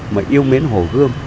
mà yêu mến hồ gươm